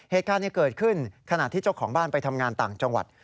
เหตุการณ์เกิดขึ้นขณะที่เจ้าของบ้านไปทำงานต่างจังหวัด